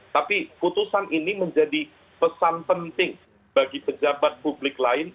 tapi putusan ini menjadi pesan penting bagi pejabat publik lain